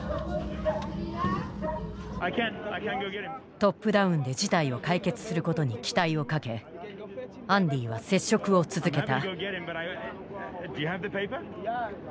トップダウンで事態を解決することに期待をかけアンディは接触を続けた。